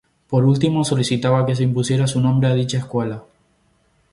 Por último, solicitaba que se impusiera su nombre a dicha escuela.